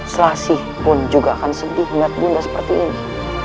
selasi pun juga akan sedih melihat ibu nda seperti ini